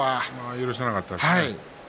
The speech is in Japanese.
許さなかったですね。